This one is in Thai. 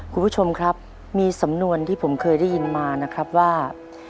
คุณผู้ชมครับมีสำนวนที่ผมเคยได้ยินมานะครับว่า